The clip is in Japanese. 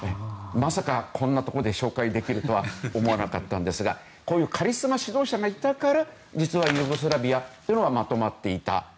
まさかこんなところで紹介できるとは思わなかったんですがこういうカリスマ指導者がいたから実はユーゴスラビアはまとまっていた。